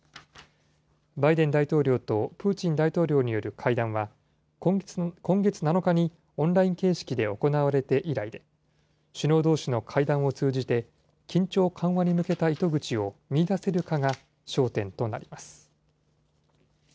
バイデン大統領とプーチン大統領による会談は、今月７日にオンライン形式で行われて以来で、首脳どうしの会談を通じて、緊張緩和に向けた糸口を見いだせるかが焦点となります。